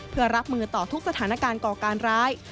เพื่อรับมือต่อทุกสถานการณ์ก่อการร้าย